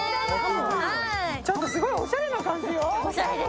ちょっとすごいおしゃれな感じよ。